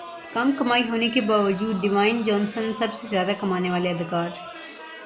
کم کمائی ہونے کے باوجود ڈیوائن جونسن سب سے زیادہ کمانے والے اداکار